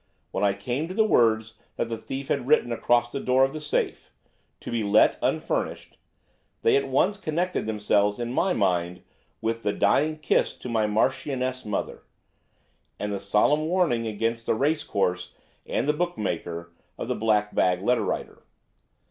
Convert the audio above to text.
When I came to the words that the thief had written across the door of the safe, 'To be Let, Unfurnished,' they at once connected themselves in my mind with the 'dying kiss to my Marchioness Mother,' and the solemn warning against the race course and the book maker, of the black bag letter writer.